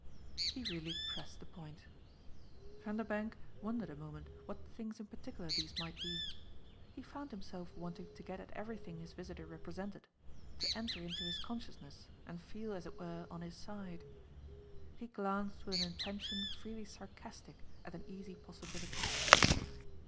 he really pressed the point. Vanderbank wondered a moment what things in particular these might be; he found himself wanting to get at everything his visitor represented, to enter into his consciousness and feel, as it were, on his side. He glanced with an intention freely sarcastic at an easy possibility.